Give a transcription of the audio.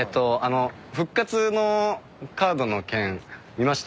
復活のカードの件見ました？